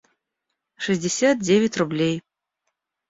шестьдесят девять рублей